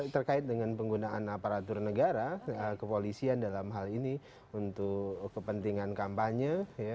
terkait dengan penggunaan aparatur negara kepolisian dalam hal ini untuk kepentingan kampanye